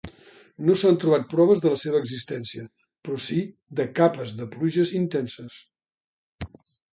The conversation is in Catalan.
No s'han trobat proves de la seva existència però si de capes de pluges intenses.